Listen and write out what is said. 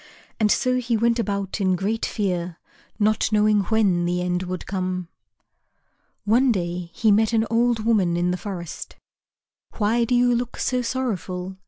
And so he went about in great fear, not knowing when the end would come. One day he met an old woman in the forest. "Why do you look so sorrowful?"